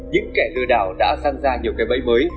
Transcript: những kẻ lừa đảo đã răn ra nhiều cái bẫy mới